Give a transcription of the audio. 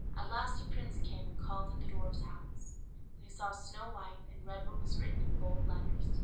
At last a prince came and called at the dwarfs' house; and he saw Snow White, and read what was written in gold letters.